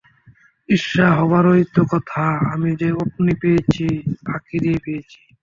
ঈর্ষা হবারই তো কথা– আমি যে অমনি পেয়েছি, ফাঁকি দিয়ে পেয়েছি।